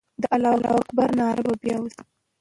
د الله اکبر ناره به بیا وسي.